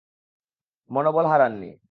মনোবল হারান নি।